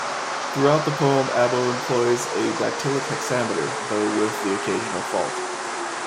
Throughout the poem Abbo employs a dactylic hexameter, though with the occasional fault.